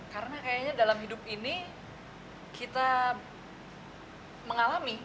karena kayaknya dalam hidup ini kita mengalami